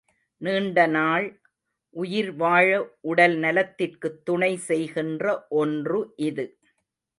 நீண்ட நாள் உயிர் வாழ உடல் நலத்திற்குத் துணை செய்கின்ற ஒன்று இது.